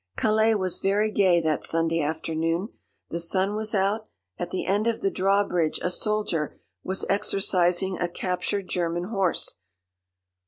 Calais was very gay that Sunday afternoon. The sun was out. At the end of the drawbridge a soldier was exercising a captured German horse.